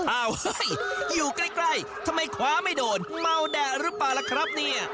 อ้าวเฮ้ยอยู่ใกล้ทำไมคว้าไม่โดนเมาแดดหรือเปล่าล่ะครับเนี่ย